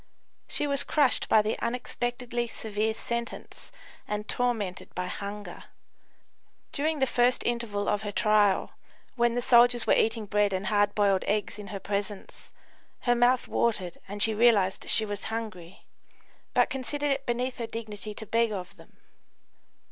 She was crushed by the unexpectedly severe sentence and tormented by hunger. During the first interval of her trial, when the soldiers were eating bread and hard boiled eggs in her presence, her mouth watered and she realised she was hungry, but considered it beneath her dignity to beg of them.